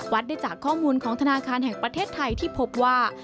ได้จากข้อมูลของธนาคารแห่งประเทศไทยที่พบว่า